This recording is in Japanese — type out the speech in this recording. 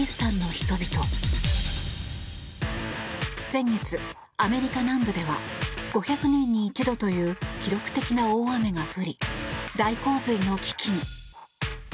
先月、アメリカ南部では５００年に一度という記録的な大雨が降り大洪水の危機に。